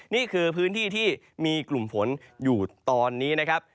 นี่คือพื้นที่ที่มีกลุ่มฝนอยู่ตอนนี้นะครับ